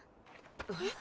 えっ？